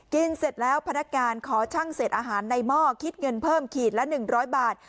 เสร็จแล้วพนักงานขอช่างเศษอาหารในหม้อคิดเงินเพิ่มขีดละ๑๐๐บาท